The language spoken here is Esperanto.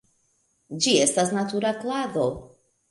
Ĝi estas natura klado.